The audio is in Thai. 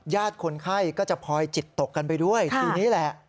คนไข้ก็จะพลอยจิตตกกันไปด้วยทีนี้แหละ